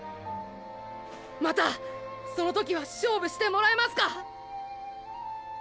またその時は勝負してもらえますか？